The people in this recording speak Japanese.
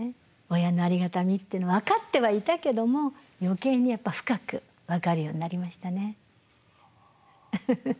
親のありがたみっていうのは分かってはいたけども余計にやっぱ深く分かるようになりましたね。